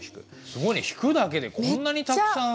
すごいね「引く」だけでこんなにたくさん。